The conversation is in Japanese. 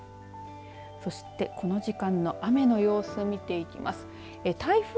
そして、この時間の雨の様子を見ていきます。